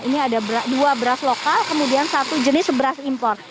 ini ada dua beras lokal kemudian satu jenis beras impor